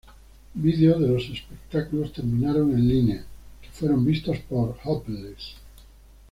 Videos de los espectáculos terminaron en línea, que fueron vistos por Hopeless.